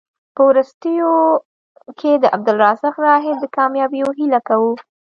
په وروستیو کې د عبدالرزاق راحل د کامیابیو هیله کوو.